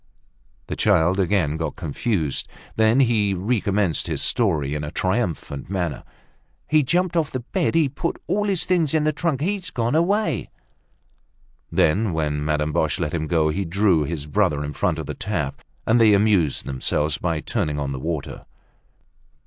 The child again got confused. Then he recommenced his story in a triumphant manner: "He jumped off the bed, he put all the things in the trunk. He's gone away." Then, when Madame Boche let him go, he drew his brother in front of the tap, and they amused themselves by turning on the water.